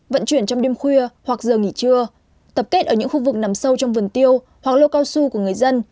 vận chuyển trong đêm khuya hoặc giờ nghỉ trưa tập kết ở những khu vực nằm sâu trong vườn tiêu hoặc lô cao su của người dân